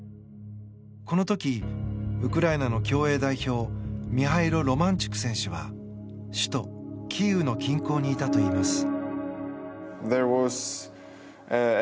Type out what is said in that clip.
この時、ウクライナの競泳代表ミハイロ・ロマンチュク選手は首都キーウの近郊にいたといいます。